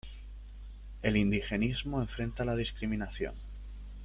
El indigenismo enfrenta la discriminación.